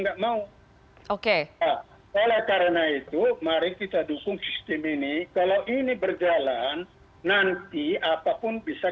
enggak mau oke oleh karena itu mari kita dukung sistem ini kalau ini berjalan nanti apapun bisa